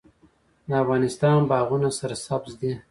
د افغانستان باغونه سرسبز دي